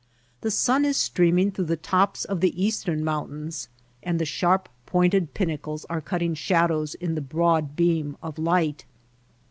The sun is streaming through the tops of the eastern mountains and the sharp pointed pinnacles are cutting shadows in the broad beam of light.